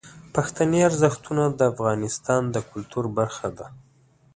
پښتني ارزښتونه د افغانستان د کلتور برخه ده.